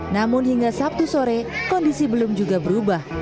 namun hingga sabtu sore kondisi belum juga berubah